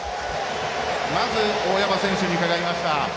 まず、大山選手に伺いました。